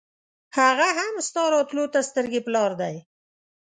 هغه هم ستا راتلو ته سترګې پر لار دی.